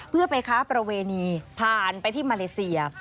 เพื่อไปค้าประเวณีผ่านไปที่มาเลเซีย